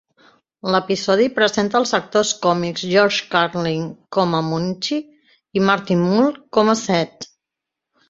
L'episodi presenta els actors còmics George Carlin com a Munchie i Martin Mull com a Seth.